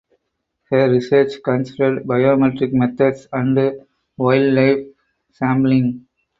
Her research considered biometric methods and wildlife sampling.